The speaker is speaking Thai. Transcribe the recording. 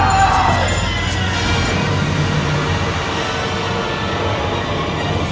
เฟี่ร์งทอขอต้องเข้าข้น